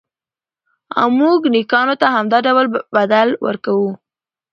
او موږ نېکانو ته همدا ډول بدل ورکوو.